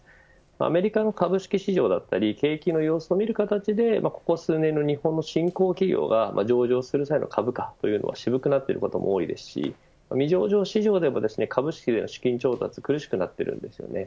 アメリカ株式市場だったり景気の様子を見る形でここ数年の日本の新興企業が上場する際の株価は渋くなっていることも多いですし未上場市場でも株式での資金調達は苦しくなっているんです。